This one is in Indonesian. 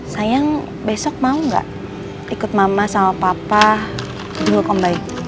sayang besok mau gak ikut mama sama papa jenguk om baik